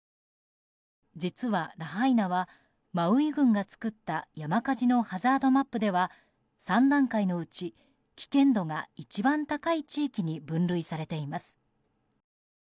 実は、ラハイナはマウイ群が作った山火事のハザードマップでは３段階のうち危険度が一番高い地域に分類されています。